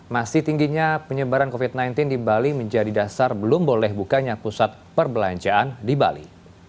masih tingginya penyebaran covid sembilan belas di bali menjadi dasar belum boleh bukanya pusat perbelanjaan di bali